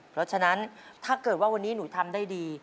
เพราะฉะนั้นถ้าเกิดว่าวันนี้หนูทำได้ดี